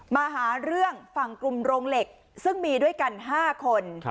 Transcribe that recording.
มาหาเรื่องฝั่งกลุ่มโรงเหล็กซึ่งมีด้วยกัน๕คน